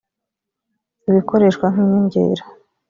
ibikoreshwa nk inyongera